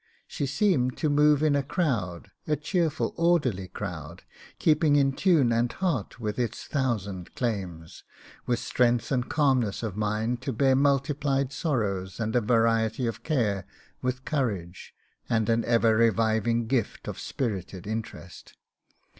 She seemed to move in a crowd, a cheerful, orderly crowd, keeping in tune and heart with its thousand claims; with strength and calmness of mind to bear multiplied sorrows and a variety of care with courage, and an ever reviving gift of spirited interest.